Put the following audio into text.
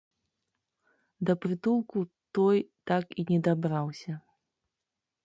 Да прытулку той так і не дабраўся.